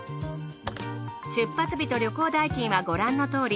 出発日と旅行代金はご覧のとおり。